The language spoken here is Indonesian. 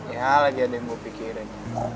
ya lagi ada yang mau pikirin